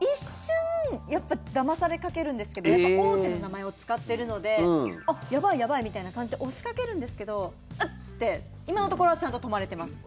一瞬だまされかけるんですけど大手の名前を使ってるのでやばい、やばいみたいな感じで押しかけるんですけどうっ！って今のところはちゃんと止まれてます。